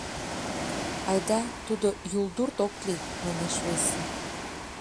— Айда, тудо юлдурт ок лий, — манеш весе.